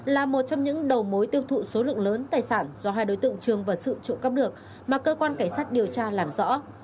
là một trong những đầu mối tiêu thụ số lượng lớn tài sản do hai đối tượng trường và sự trộm cắp được mà cơ quan cảnh sát điều tra làm rõ